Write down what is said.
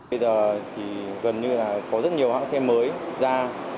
bây giờ thì gần như là có rất nhiều hãng xe mới ra